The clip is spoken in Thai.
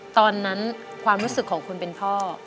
ตอนนั้นความรู้สึกของคนเป็นพ่อ